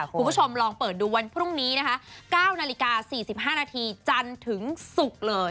คุณผู้ชมลองเปิดดูวันพรุ่งนี้นะคะ๙นาฬิกา๔๕นาทีจันทร์ถึงศุกร์เลย